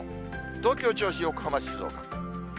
東京、銚子、横浜、静岡。